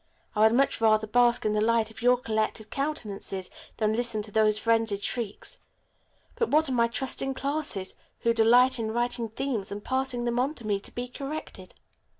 I would much rather bask in the light of your collected countenances than listen to those frenzied shrieks. But what of my trusting classes, who delight in writing themes and passing them on to me to be corrected?"